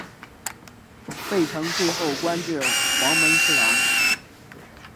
费承最后官至黄门侍郎。